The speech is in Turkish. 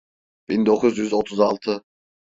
Bin dokuz yüz otuz altı.